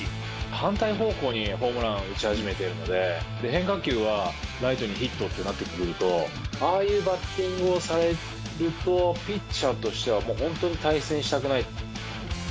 反対方向にホームランを打ち始めているので、変化球はライトにヒットってなってくると、ああいうバッティングをされると、ピッチャーとしてはもう本当に対戦したくない。